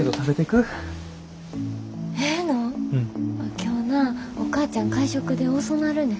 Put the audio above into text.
今日なお母ちゃん会食で遅なるねん。